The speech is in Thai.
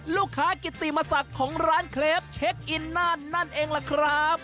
ลูกค้ากิตตีมาสักของร้านเคล็ปเช็คอินนั่นนั่นเองล่ะครับ